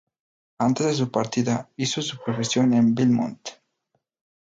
Antes de su partida hizo su profesión en Belmonte.